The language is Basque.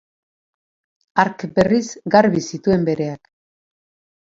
Hark, berriz, garbi zituen bereak.